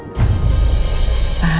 dari pada cari fitnah